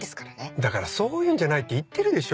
だからそういうんじゃないって言ってるでしょ？